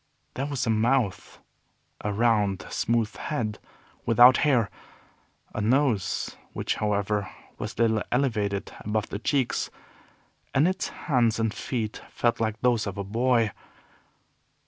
There was a mouth; a round, smooth head without hair; a nose, which, however, was little elevated above the cheeks; and its hands and feet felt like those of a boy.